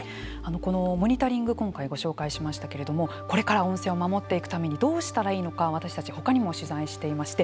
このモニタリング今回ご紹介しましたけれどもこれから温泉を守っていくためにどうしたらいいのか私たちほかにも取材していまして。